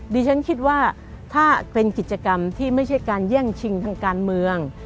ดิฉันคิดว่าถ้าเป็นกิจกรรมที่ไม่ใช่การแย่งชิงทางการเมือง